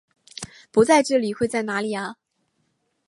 不在这里会在哪里啊？